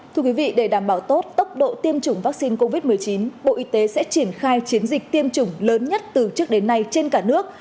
thưa quý vị để đảm bảo tốt tốc độ tiêm chủng vaccine covid một mươi chín bộ y tế sẽ triển khai chiến dịch tiêm chủng lớn nhất từ trước đến nay trên cả nước